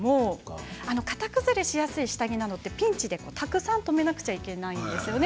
型崩れしやすい下着などをピンチでたくさん留めなくてはいけないんですよね。